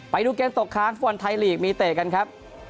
ไปดูเกมตกครั้งฝนไทยลีกมีเตะกันครับ